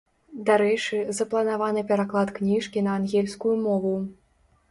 Дарэчы, запланаваны пераклад кніжкі на ангельскую мову.